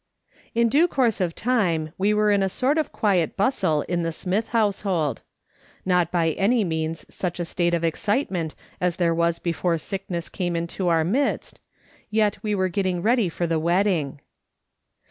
In due course of time we were in a sort of quiet bustle in the Smith household. Not by any means such a state of excitement as there was before sickness came into our midst, yet we were getting ready for the wedding.